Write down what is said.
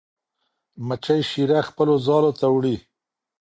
مچۍ شیره خپلو ځالو ته وړي.